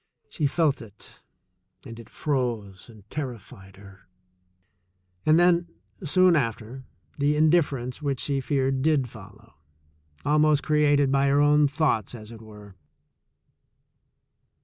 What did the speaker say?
She felt it, and it froze and terrified her. And then, soon after, the indifference which she feared did follow — almost created by her own thoughts, as it were.